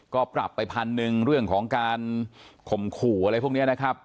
ก็ปรับไปพันหนึ่งเรื่องของการข่มขู่อะไรพวกนี้นะครับ